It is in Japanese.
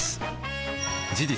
事実